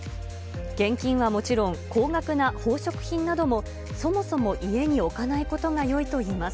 現金はもちろん、高額な宝飾品なども、そもそも家に置かないことがよいといいます。